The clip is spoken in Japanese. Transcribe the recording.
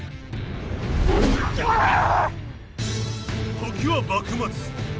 時は幕末。